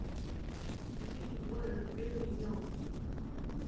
We were really young.